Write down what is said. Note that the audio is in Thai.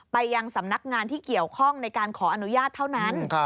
ไปยังสำนักงานที่เกี่ยวข้องในการขออนุญาตเท่านั้น